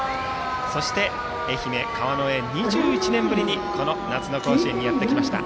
そして愛媛・川之江２１年ぶりにこの夏の甲子園にやってきました。